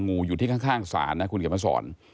เจองูอยู่ที่ข้างศาลนะคุณเกดมันสอน